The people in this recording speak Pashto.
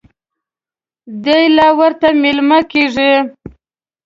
دی لا ورته مېلمه کېږي.